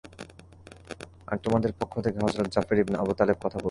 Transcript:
আর তোমাদের পক্ষ থেকে হযরত জাফর ইবনে আবু তালেব কথা বলবে।